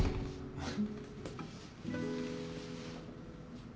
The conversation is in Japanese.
あっ。